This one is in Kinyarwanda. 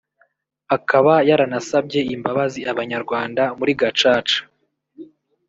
akaba yaranasabye imbabazi Abanyarwanda muri Gacaca